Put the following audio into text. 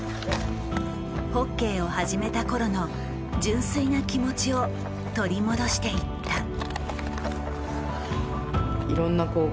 ホッケーを始めた頃の純粋な気持ちを取り戻していった。